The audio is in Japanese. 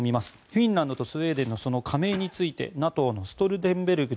フィンランドとスウェーデンの加盟についてＮＡＴＯのストルテンベルグ